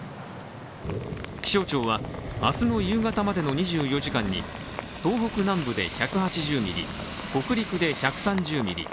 気象庁は明日の夕方までの２４時間に東北南部で１８０ミリ、北陸で１３０ミリ